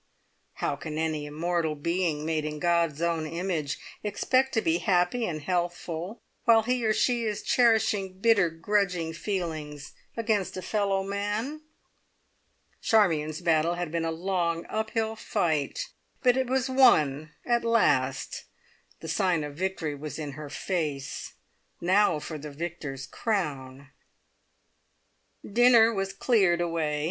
How can any immortal being, made in God's own image, expect to be happy and healthful while he or she is cherishing bitter grudging feelings against a fellow man? Charmion's battle had been a long, up hill fight, but it was won at last. The sign of victory was in her face. Now for the victor's crown! Dinner was cleared away.